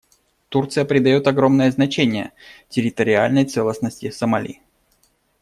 Турция придает огромное значение территориальной целостности Сомали.